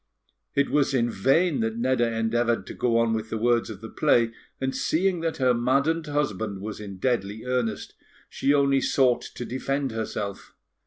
It was in vain that Nedda endeavoured to go on with the words of the play; and, seeing that her maddened husband was in deadly earnest, she only sought to defend herself.